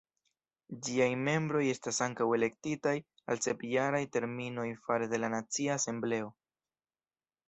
Ĝiaj membroj estas ankaŭ elektitaj al sep-jaraj terminoj fare de la Nacia Asembleo.